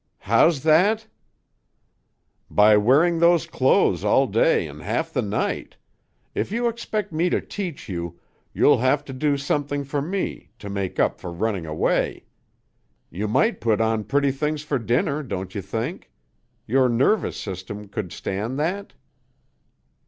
"How's that?" "By wearing those clothes all day and half the night. If you expect me to teach you, you'll have to do something for me, to make up for running away. You might put on pretty things for dinner, don't you think? Your nervous system could stand that?"